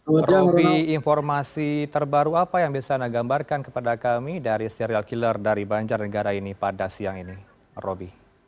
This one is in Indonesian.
roby informasi terbaru apa yang bisa anda gambarkan kepada kami dari serial killer dari banjarnegara ini pada siang ini roby